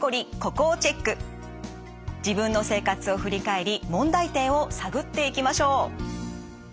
自分の生活を振り返り問題点を探っていきましょう。